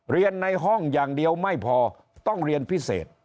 ในห้องอย่างเดียวไม่พอต้องเรียนพิเศษ